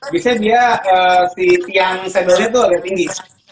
biasanya dia si tiang sepeda itu agak tinggi